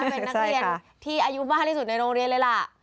เป็นนักเรียนที่อายุมากที่สุดในโรงเรียนเลยล่ะ